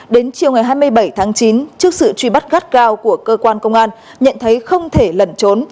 đến chiều ngày hai mươi bảy tháng chín trước sự truy bắt gắt gao của cơ quan công an nhận thấy không thể lẩn trốn